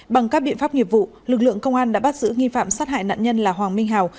bằng các biện pháp nghiệp vụ lực lượng công an đã bắt giữ nghi phạm sát hại nạn nhân là hoàng minh hào